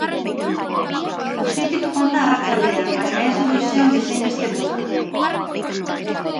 Bustitik joan da arratsaldea, baina ez du goizean bezainbeste bota.